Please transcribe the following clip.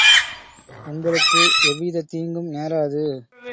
உங்களுக்கு எவ்விதத் தீங்கும் நேராது.